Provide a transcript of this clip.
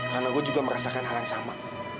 karena gue juga merasakan hal yang sama